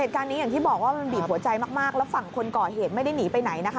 เหตุการณ์นี้อย่างที่บอกว่ามันบีบหัวใจมากแล้วฝั่งคนก่อเหตุไม่ได้หนีไปไหนนะคะ